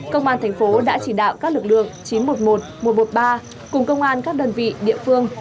công an thành phố đã chỉ đạo các lực lượng chín trăm một mươi một một trăm một mươi ba cùng công an các đơn vị địa phương